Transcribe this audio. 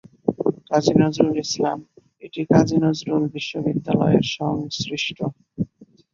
এটি কাজী নজরুল বিশ্ববিদ্যালয়ের সংসৃৃষ্ট।